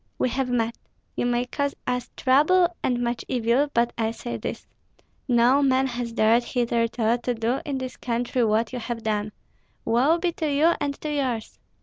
We have met! You may cause us trouble and much evil, but I say this: No man has dared hitherto to do in this country what you have done. Woe be to you and to yours!"